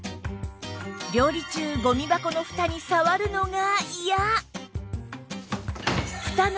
料理中ゴミ箱のフタに触るのが嫌